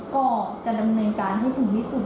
ก็จะดำเนินการให้ถึงที่สุด